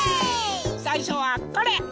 さいしょはこれ！